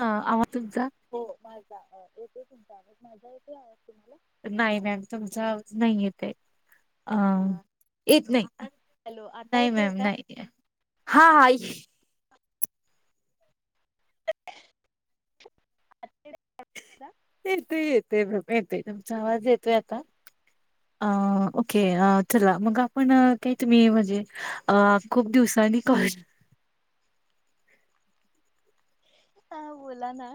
ह आ त जा. येते तुमचा मजा येेते आहे तुम्हाला. नाही मॅम तुमच नाही येते. अ हा येत नाही हॅलो आता नाही येतोय मॅम का? नाही हा हा आ. येत येते म येते तुमचा आवाज येतोय आता. [unintelligible] अ ओके चला मग आपण काही तुम्ही म्हणजे खूप दिवसानी कॉल. हा बोला ना.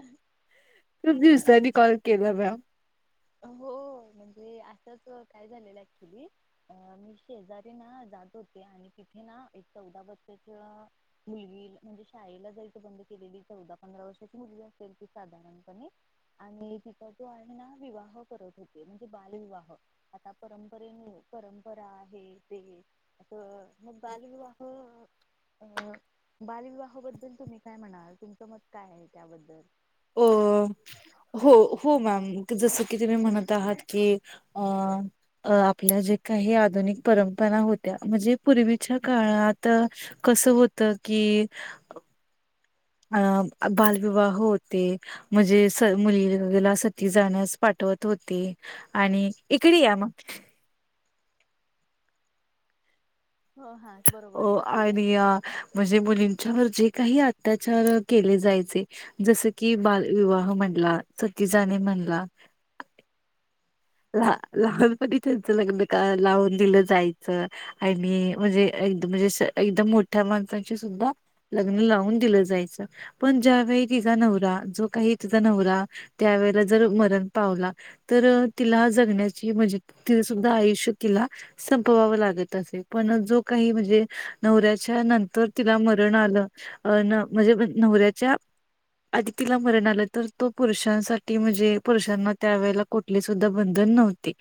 खूप दिवसांनी कॉल केला म हो म्हणजे असंच काय झालेलं ऍक्च्युली अ मी शेजारी ना जात होते आणि तिथे ना एक चौदा वर्षाच्या मुलगी म्हणजे शाळेला जायचं बंद केलेली चौदा पंधरा वर्षाची मुलगी असेल ती साधारणपणे आणि तिचा जो आहे ना विवाह करत होते म्हणजे बालविवाह आता परंपरेन परंपरा आहे ते. अं मग बाल विवाह अ बालविवाहाबद्दल तुम्ही काय म्हणाल तुमचं मत काय आहे त्याबद्दल अ हो हो मॅम जसं की तुम्ही म्हणत आहात की अ अ आपल्या जे काही आधुनिक परंपरा होत्या म्हणजे पूर्वीच्या काळात. कसं होत की... अ बालविवाह होते म्हणजे सर्व मुली सति ती जाण्यास पाठवत होते आणि इकडे या मग.... हो हा बरोबर.... अ सतीदान आणि म्हणजे मुलींच्यावर जे काही अत्याचार केले जायचे.... जसं की बालविवाह म्हणला सती जाणे म्हणला.... लहापणीहून पण त्यांच लग्न का लावून दिलं जायचं... आणि म्हणजे एकदा म्हणजे एकदम मोठ्या माणसांशी सुद्धा.... लग्न लावून दिलं जायचं पण ज्यावेळी तिझा नवरा जो काही तिचा नवरा.... त्यावेेळेला जर मरण पावला तर... तिला जगण्याची म्हणजे तिने सुद्धा आयुष्य तिला.... संपवावं लागत असे पण जो काही म्हणजे नवऱ्याच्या नंतर तिला मरण आलं.... अ म्हणजे नवऱ्याच्या... आधी तिला मरण आलं तर तो पुरुषांसाठी म्हणजे पुरुषांना त्यावेेळेला कुठलीच... सुद्धा बंधन नव्हते...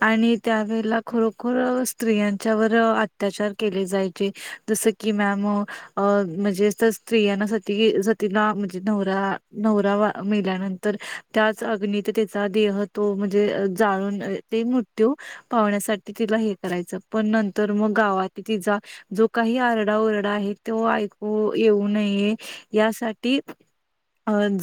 आणि त्यावेळेला खरोखर स्त्रियांच्या वर अत्याचार केले जायचे जस.... कि मॅम... अ म्हणजे तर स्त्रियांना सती सतीला म्हणजे नवरा नवरा मेल्यानंतर.. त्याच अग्नीत त्याचा देह तो म्हणजे जाळून ते मृत्यू... पाहण्यासाठी तिला हे करायचं पण नंतर मग गावात तिचा... जो काही आरडा ओरडा आहे तो ऐक... हो येऊ नये यासाठी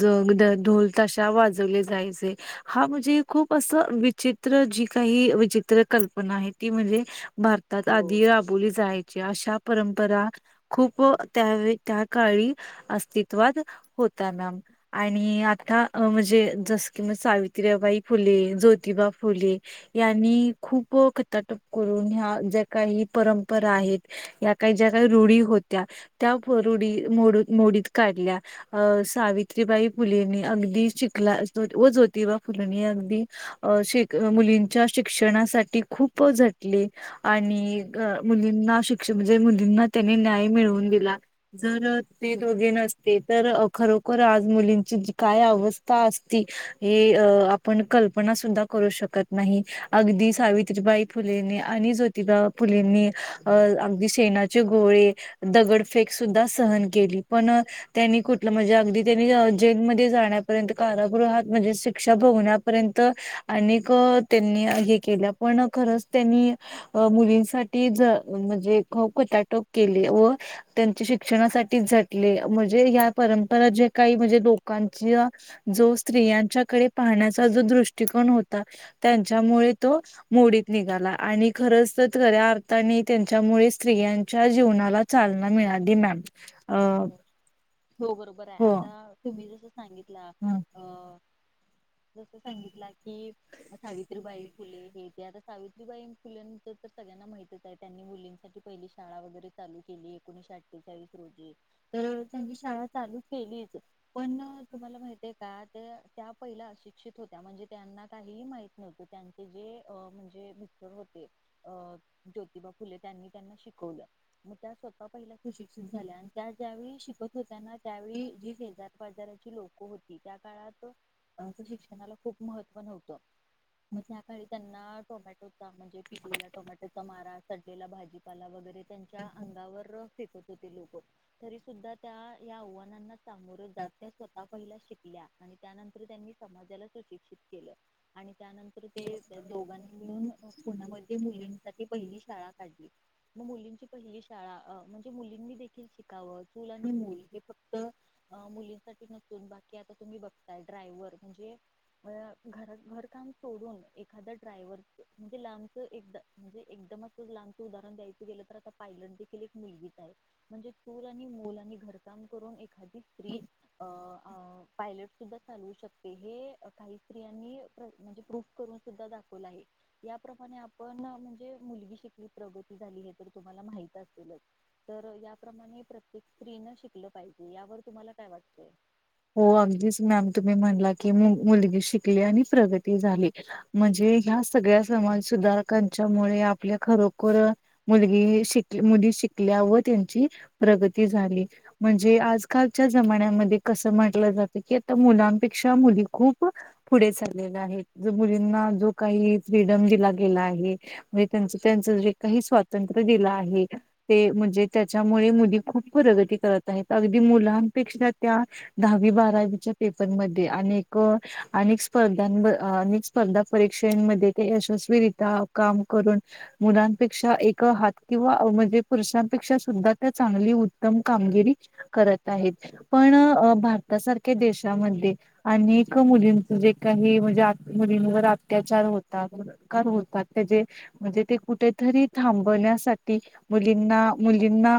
जोगद ढोल ताशा... वाजवले जायचे हा म्हणजे... खूप असं विचित्र जी काही विचित्र कल्पना आहे ती म्हणजे भार.... त्यात हो आधी आबोली जायची अशा परंपरा.... खूप त्यावेळी त्या काळी अस्तित्वात होत्या मॅम.... आणि आता म्हणजे जस की मग सावित्र्यबाई... फुले ज्योतिबा फुले... यांनी खूप खटाटोप करून ह्या ज्या काही परंपरा आहेत या... काही ज्या काही रुढी होत्या त्या रुढी मोड मोडीत काढल्या.... अ सावित्रीबाई फुलेनी अगदी शिकला व ज्योतिबा फुलेनी... अगदी श मुलींच्या शिक्षणासाठी खूप झटली... आणि मुलींना शिक्षण म्हणजे मुलींना त्यानी न्याय मिळवून दिला.... जर ते दोघे नसते तर खरोखर आज मुलींची काय अवस्था.... काय असती हे आपण कल्पना सुद्धा करू शकत नाही.... अगदी सावित्रीबाई फुलेंनी आणि ज्योतिबा फुलेंनी अ अगदी..... शेनाचे गोळे दगडफेक सुद्धा सहन केली पण.... त्यांनी कुठलं म्हणजे अगदी त्यांनी जेलमध्ये जाण्यापर्यंत कारागृहात म्हणजे शिक्षा भोगण्या... पर्यंत अनेक त्यांनी हे केल्या पण खरच त्यांनी.... अ मुलींसाठी म्हणजे खटाटोप केली व..... त्यांच्या शिक्षणासाठीच झटले म्हणजे या परंपरा जे काही म्हणजे लोकांच्या... जो स्त्रियांच्याकडे पाहण्याचा जो दृष्टिकोन होता त्यांच्यामुळे तो.... मोडीत निघाला आणि... खरच तर खऱ्या अर्थाने त्यांच्यामुळे स्त्रियांच्या जीवनाला चालना मिळाली मॅम... अ हो.... हो बरोबर आहे हो आता तुम्ही जसं सांगितला हम्म अ.... जस सांगितला की सावित्रीबाई फुले हे त्या..... सावित्रीबाई फुलेंच तर सगळ्यांना माहितच आहे त्यांनी मुलींसाठी पहिली शाळा वगैरे.... चालू केली एकोणीशे अठ्ठेचाळीस रोजी तर त्यांची शाळा चालू केलीच पण तुम्हाला माहितय का ते? त्या पहिला अशिक्षित होत्या म्हणजे त्यांना काही माहित नव्हतं त्यांचे जे म्हणजे मित्र होते. अ ज्योतिबा फुले त्यांनी त्यांना शिकवलं मग त्या स्वतः पहिल्या प्रशिक्षित सुशिक्षित झाल्या त्या त्याला त्यावेळी ज्यावेळी शिकत होत्या होताना ना त्यावेळी जी जे शेजात पाजाराचे शेजारबाजाराची लोकं लोक होती त्या काळात आमचं शिक्षण शिक्षणाला खूप महत्व महत्त्व नव्हतं. मग मी सरकारी त्याकाळी त्यांना टोमॅटोचा म्हणजे पिकलेला टोमॅटोचा मारा भाजीपाला वगैरे त्यांच्या अंग फेकत होते लोक तरी सुद्धा त्या आव्हानांना सामोर जात्या स्वतः पहिल्या शिकल्या आणि त्यानंतर त्यांनी समाजाला सुशिक्षित केलं आणि त्यानंतर ते दोघांनी मिळून पुण्यामध्ये दोघांनी मुलींसाठी मुलांसाठी पहिली शाळा होती काढली. मग मुलींची पहिली शाळा म्हणजे मुलींनी देखील शिकावं चूल आणि पण मल मुलगी हे फक् फक्त मुलींसाठी नसून बाकी आता तुम्ही बघताय ड्रायव्हर म्हणजे घर घर काम सोडून एखादा्या ड्रायव्हरच म्हणजे लांबचं एकदा म्हणजे एकदमच लहानचं उदाहरण द्यायचं गेलं तर आता पाहिलं देखील एक मुलगीच आहे म्हणजे आणि मो आणि घरकाम करून एखादी स्त्री पायलट सुद्धा चालवू शकते हे काही स्त्रियांनी म्हणजे प्रूफ करून सुद्धा दाखवलं आहे. याप्रमाणे आपण म्हणजे मुलगी शिकली प्रगती झाली हे तर तुम्हाला माहित असेलच. तर याप्रमाणे प्रत्येक स्त्रीनं शिकलं पाहिजे यावर तुम्हाला काय वाटतंय? हो अगदीच मॅम तुम्ही म्हणला की मूळ मुलगी शिकली आणि प्रगती झाली. म्हणजे ह्या सगळ्या समाज सुधारकांच्या मुळे आपल्या खरोखर मुलगी शिक मुली शिकल्या व त्यांची [inaudible] प्रगती झाली म्हणजे आजकालच्या जमान्यामध्ये कसं म्हटलं जातं की आता मुलांपेक्षा मुली खूप पुढे चाललेल्या आहेत. जो मुलींना जो काही फ्रीडम दिला गेला आहे. म्हणजे त्यांच त्यांचं जे काही स्वातंत्र्य दिलं आहे. ते म्हणजे त्याच्यामुळे मुली खूप प्रगती करत आहेत अगदी मुलांपेक्षा त्या दहावी बारावीच्या पेपरमध्ये अ अनेक स्पर्धां स्पर्धा परीक्षेमध्ये यशस्वीरित्या काम करून मुलांपेक्षा एक हात किंवा म्हणजे पुरुषांपेक्षा सुद्धा त्या चांगली उत्तम कामगिरी करत आहेत. पण भारतासारख्या देशामध्ये अनेक मुलींच जे काही म्हणजे मुलींवर अत्याचार होतात बलात्कार होतात त्याचे म्हणजे ते कुठेतरी थांबण्यासाठी मुलींना, मुलींना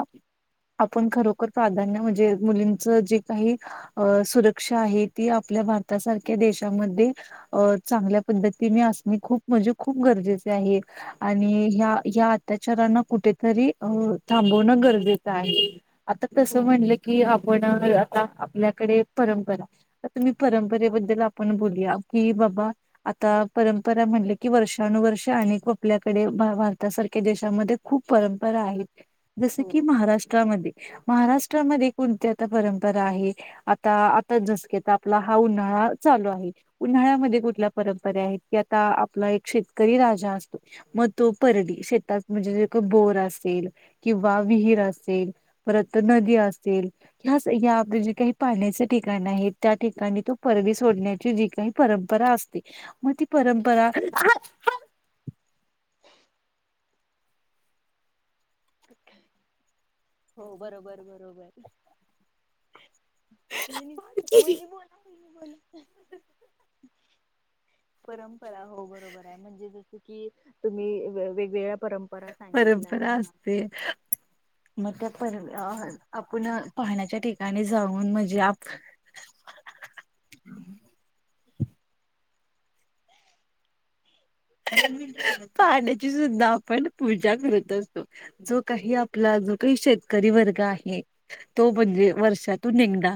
आपण खरोखर प्राधान्य म्हणजे मुलींचं जे काही अ सुरक्षा आहे ती आपल्या भारतासारख्या देशामध्ये अ चांगल्या पद्धती मी असणे खूप म्हणजे खूप गरजेचे आहे. आणि ह या अत्याचारांना कुठेतरी अ थांबण गरजेचं आहे आता हो तसं म्हटलं की पण आता आपल्याकडे परंपरा आता आपण परंपरेबद्दल आपण बोलूया की बाबा आता परंपरा म्हणले की वर्षानुवर्ष अनेक आपल्याकडे भारतासारख्या देशामध्ये खूप परंपरा आहेत जस हो की महाराष्ट्रामध्ये, महाराष्ट्रामध्ये कोणत्या? परंपरा आहे आता आता जस क तर आपला हा उन्हाळा चालू आहे. उन्हाळ्यामध्ये कुठल्या परंपरे आहेत की आता आपला एक शेतकरी राजा असतो. मग तो परली शेतात म्हणजे जे का बोर असेल किंवा विहीर असेल परत नदी असेल ह्या ह आपले जी काही पाण्याचे ठिकाण आहेत त्या ठिकाणी तो परदी सोडण्याची जी काही परंपरा असते मग ती परंपरा अच्छा हो बरोबर बरोबर. वईनी वईनी बोला वईनी बोला. परंपरा हो बरोबर आहे म्हणजे ज कि तुम्ही वेगवेगळ्या परंपरा सांगितल्या. ते. मग त्या पर आपण पाहण्याच्या ठिकाणी जाऊन, म्हणजे आप पाण्याची सुद्धा आपण पूजा करत असतो. जो काही आपला जो काही शेतकरी वर्ग आहे, तो म्हणजे वर्षात तू निघदा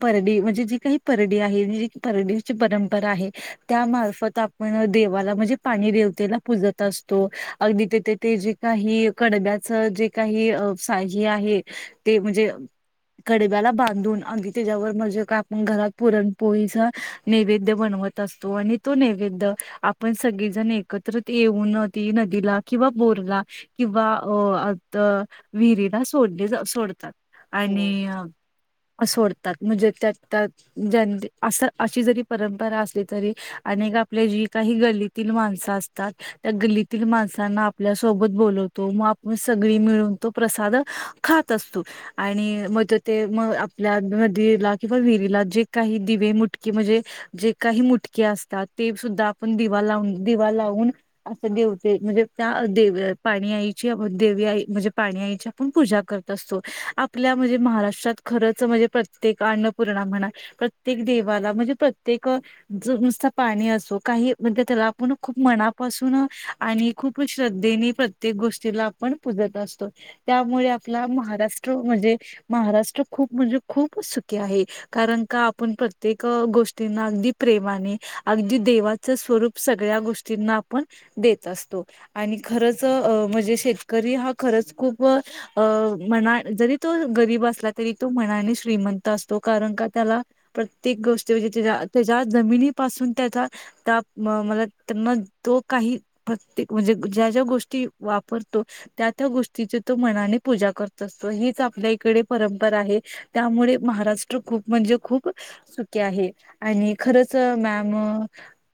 परडी म्हणजे जी काही, परडी आहे परडीची परंपरा आहे, त्यामार्फत आपण देवाला, म्हणजे पाणी देवतेला पूजत असतो, अगदी तेथे ते जे काही कडब्याच जे, काही आहे ते म्हणजे, कडब्याला बांधून, त्याच्यावर म्हणजे का, आपण घरात पुरणपोळीचा नैवेद बनवत असतो, आणि तो नैवेद आपण सगळीजण एकत्र येऊन, ती नदीला किंवा बोरला किंवा अ आता विहिरीला सोडले जा सोडतात, हो आणि सोडतात, म्हणजे त्या त्या ज अस अशी जरी परंपरा असली, तरी अनेक आपले जी काही गली माणसं असतात. त्या गल्लीतील माणसांना आपल्यासोबत बोलवतो, मग आपण सगळी मिळून तो प्रसाद खात असतो. आणि म तो ते म आपल्या नदीला किंवा विहिरीला जे, काही दिवे मुटके, म्हणजे जे काही मुटके असतात, ते सुद्धा आपण दिवा लावून, दिवा लावून, असं देवते म्हणजे त्या पाणी आईची, देवी आई म्हणजे पाणी आईच्या आपण पूजा करत असतो, आपल्या म्हणजे महाराष्ट्रात खरंच म्हणजे, प्रत्येक अन्नपूर्णा म्हणा प्रत्येक देवाला, म्हणजे प्रत्येक नुसत पाणी असो, काही म्हण त्याला आपण, खूप मनापासून आणि खूप श्रद्धेने प्रत्येक गोष्टीला पण पुजत असतो, त्यामुळे आपला महाराष्ट्र म्हणजे महाराष्ट्र खूप म्हणजे खूपच सुखी आहे. कारण का आपण प्रत्येक गोष्टींना, अगदी प्रेमाने, अगदी देवा स्वरूप सगळ्या गोष्टींना आपण देत असतो, आणि खरच म्हणजे शेत करी हा, खरंच खूप अ मना जरी तो गरीब असला, तरी तो मनाने श्रीमंत असतो, कारण का त्याला प्रत्येक गोष्टी म्हणजे त्या त्याच्या जमिनीपासून त्याचा मला त्यांना तो काही प्रत्येक, म्हणजे ज्या, ज्या गोष्टी वापरतो. त्या त्या गोष्टीची तो मनाने पूजा करत असतो, हीच आपल्या इकडे परंपरा आहे. त्यामुळे महाराष्ट्र खूप म्हणजे, खूप सुखी आहे, आणि खरच मॅम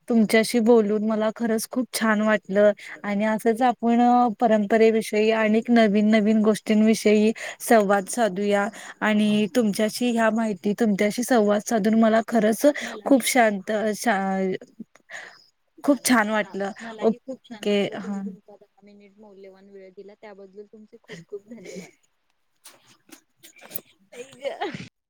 तुमच्याशी बोलून, मला खरंच खूप छान वाटलं. आणि असंच आपण परंपरेविषयी, आणिक नवीन नवीन गोष्टींविषयी संवाद साधूया. आणि तुमच्याशी ह्या माहिती, तुमच्याशी संवाद साधून मला खरंच, खूप मलाही शांत, अ, शा खूप हां, छान हा, वाटलं मलाही खूप छान ओके वाटलं, तुम्ही हा तुमचा दहा मिनिट मौल्यवान वेळ दिला, त्याबद्दल तुमचे खूप खूप धन्यवाद. आईग.